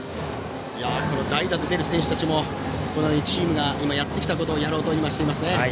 この代打で出る選手たちもチームがやってきたことをやろうとしていますね。